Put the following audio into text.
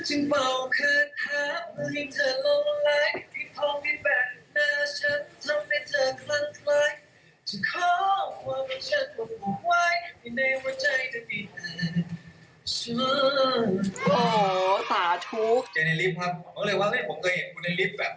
เจอในลิฟต์ครับบอกเลยว่าเฮ้ยผมก็เห็นคุณในลิฟต์แบบ